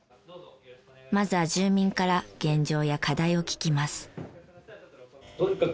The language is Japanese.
まずは住民から現状や課題を聞きます。